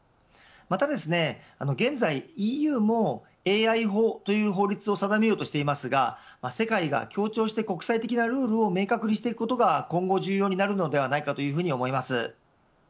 ただ現在ＥＵもＡＩ法という法律を定めようとしていますが世界が協調して国際的なルールを明確にしていくことが今後、重要になるのではないかと思います。